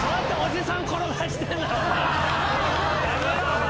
やめろお前。